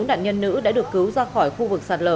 bốn nạn nhân nữ đã được cứu ra khỏi khu vực sạt lở